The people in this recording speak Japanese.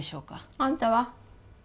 あんたは？